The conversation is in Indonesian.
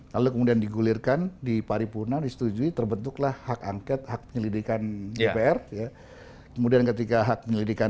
yang disetujui terbentuklah hak angket hak penyelidikan dpr kemudian ketika hak penyelidikan